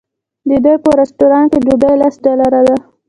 د دوی په رسټورانټ کې ډوډۍ لس ډالره ده.